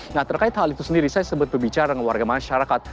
nah terkait hal itu sendiri saya sempat berbicara dengan warga masyarakat